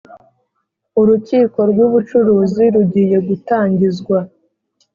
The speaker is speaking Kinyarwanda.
urukiko rw'ubucuruzi rugiye gutangizwa.